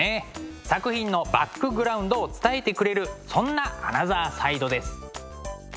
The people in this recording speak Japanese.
作品のバックグラウンドを伝えてくれるそんなアナザーサイドです。